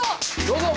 どうぞ！